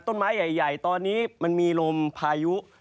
ต้นไม้ใหญ่ตอนนี้มันมีลมพายุ